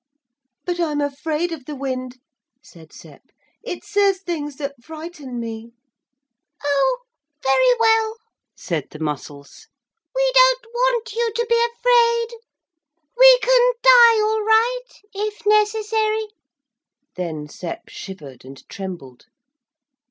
'But I'm afraid of the wind,' said Sep, 'it says things that frighten me.' 'Oh very well,' said the mussels, 'we don't want you to be afraid. We can die all right if necessary.' Then Sep shivered and trembled.